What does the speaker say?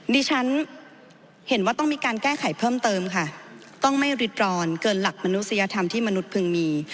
ดิฉันเห็นว่าต้องมีการแก้ไขเพิ่มเติมค่ะต้องไม่ริดร้อนเกินหลักมนุษยธรรมที่มนุษย์พึงมี